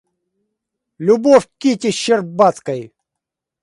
Любовь к Кити Щербацкой.